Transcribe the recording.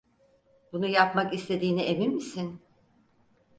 Bunu yapmak istediğine emin misin?